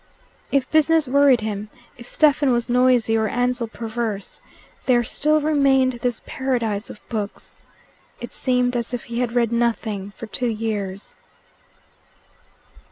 If business worried him, if Stephen was noisy or Ansell perverse, there still remained this paradise of books. It seemed as if he had read nothing for two years.